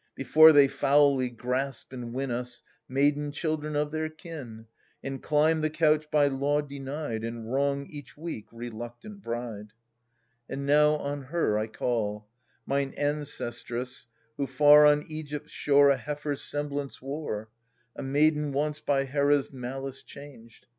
Before they foully grasp and win Us, maiden children of their kin, And climb the couch by law denied. And wrong each weak reluctant bride. r And now on her I call, Mine_ancestress, who far on Egypt's shore A heifer's semblance' wore,^ ^" C^o A maiden once, by Hera's malice changed